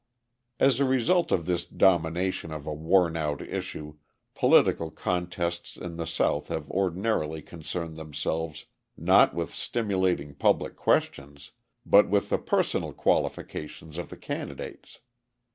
As a result of this domination of a worn out issue, political contests in the South have ordinarily concerned themselves not with stimulating public questions, but with the personal qualifications of the candidates.